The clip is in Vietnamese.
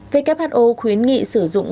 who khuyến nghị sử dụng